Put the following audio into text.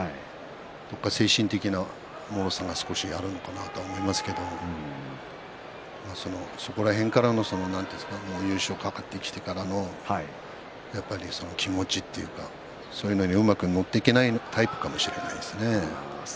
どこか精神的なもろさが少しあるのかなと思いますけどそこら辺からの、なんていうんですか優勝が懸かってきてからの気持ちというかそういうのにうまく乗り切れないタイプかもしれないですね。